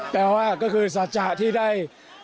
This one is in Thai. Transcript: แต่ว่าก็คือสัจจะที่ได้